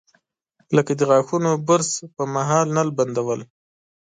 لکه د غاښونو برش پر مهال نل بندول.